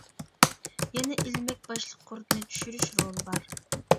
يەنە ئىلمەك باشلىق قۇرتنى چۈشۈرۈش رولى بار.